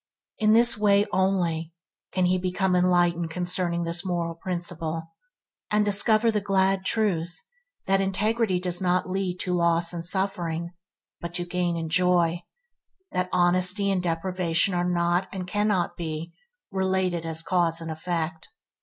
In this way only can he become enlightened concerning this moral principle, and discover the glad truth that integrity does not lead to loss and suffering, but to gain and joy; that honesty and deprivation are not, and cannot be, related as cause and effect.